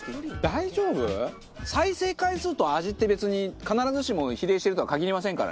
大丈夫？再生回数と味って別に必ずしも比例してるとは限りませんからね。